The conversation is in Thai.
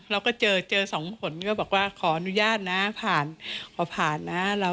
เราก็เจอเจอสองคนก็บอกว่าขออนุญาตนะผ่านขอผ่านนะ